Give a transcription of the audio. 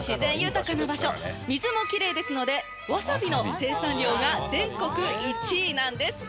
水もきれいですのでわさびの生産量が全国１位なんです。